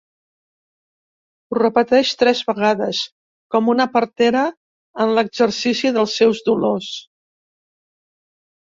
Ho repeteix tres vegades, com una partera en l'exercici dels seus dolors.